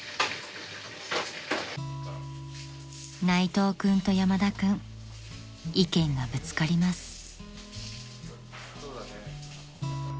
［内藤君と山田君意見がぶつかります］